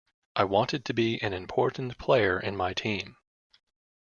I wanted to be an important player in my team.